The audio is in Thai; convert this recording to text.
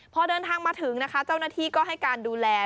พอเดินทางมาถึงนะคะเจ้าหน้าที่ก็ให้การดูแล